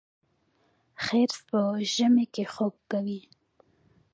خرس په ژمي کې خوب کوي